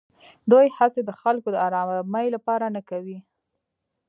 دوی هېڅې د خلکو د ارامۍ لپاره نه کوي.